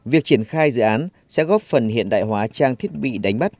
việc triển khai dự án sẽ góp phần hiện đại hóa trang thiết bị đánh bắt